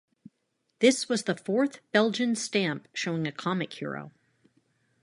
This was the fourth Belgian stamp showing a comic hero.